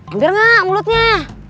ampir gak mulutnya